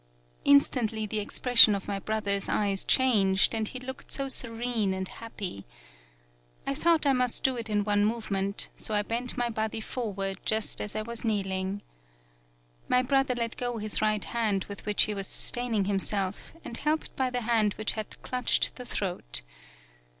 Instantly the expression of my broth er's eyes changed, and he looked so serene and happy. I thought I must do it in one movement, so I bent my body forward just as I was kneeling. My brother let go his right hand with which he was sustaining himself, and helped by the hand which had clutched the throat.